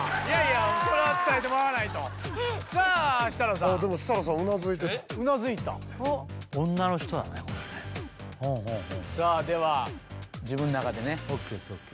これは伝えてもらわないとさあ設楽さんでも設楽さんうなずいてたうなずいたさあでは自分の中でねＯＫですＯＫです